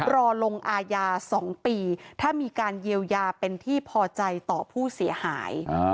รอลงอาญา๒ปีถ้ามีการเยียวยาเป็นที่พอใจต่อผู้เสียหาย